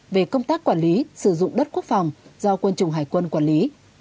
về công tác quản lý sử dụng đất quốc phòng do quân chủng hải quân quản lý